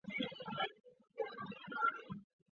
书包通常由使用者背于肩上行走。